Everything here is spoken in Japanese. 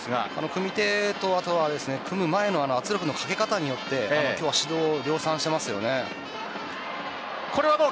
組み手と組む前の圧力のかけ方によって今日は指導を量産しています。